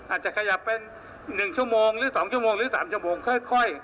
อาจจะขยับเป็น๑ชั่วโมงหรือ๒ชั่วโมงหรือ๓ชั่วโมงค่อย